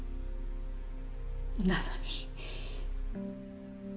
なのに。